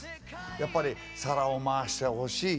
やっぱり皿を回してほしい。